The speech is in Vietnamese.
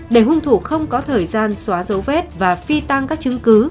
để hùng thủ không có thời gian xóa dấu vết và phi tang các chứng cứ